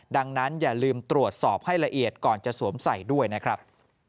ดังนั้นอย่าลืมตรวจสอบให้ละเอียดก่อนจะสวมใส่ด้วยนะครับ